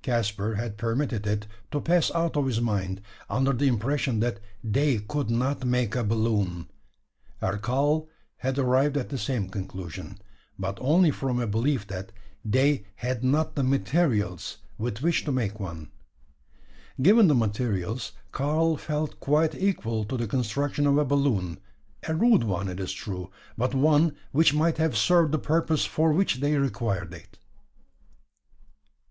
Caspar had permitted it to pass out of his mind, under the impression that they could not make a balloon; and Karl had arrived at the same conclusion; but only from a belief that they had not the materials with which to make one. Given the materials, Karl felt quite equal to the construction of a balloon a rude one, it is true; but one which might have served the purpose for which they required it.